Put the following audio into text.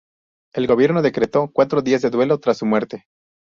El gobierno decretó cuatro días de duelo tras su muerte.